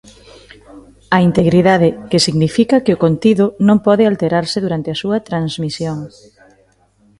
A integridade, que significa que o contido non pode alterarse durante a súa transmisión.